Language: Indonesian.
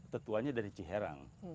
kawinannya dari ciherang